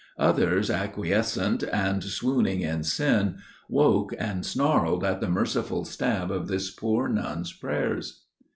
Others, acquiescent and swooning in sin, woke and snarled at the merciful stab of this poor nun's prayers."